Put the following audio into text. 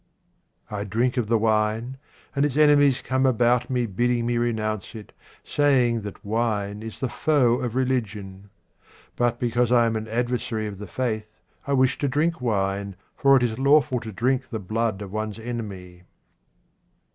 I DRINK of the wine, and its enemies come about me bidding me renounce it, saying that wine is the foe of religion. But because I am an adversary of the faith, I wish to drink wine, for it is lawful to drink the blood of one's enemy.